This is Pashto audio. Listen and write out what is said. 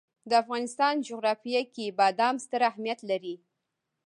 د افغانستان جغرافیه کې بادام ستر اهمیت لري.